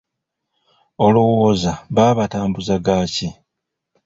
Olowooza baba batambuza gaaki?